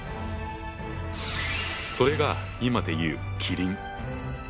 それが今で言うキリン。